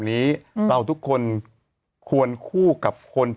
เดี๋ยวอังคารคุณโปร่งเล่นอีกเรื่องกันเถอะ